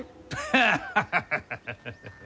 ハハハハハ。